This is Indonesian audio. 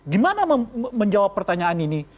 gimana menjawab pertanyaan ini